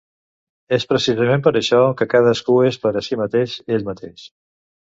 És precisament per això que cadascú és per a si mateix ell mateix.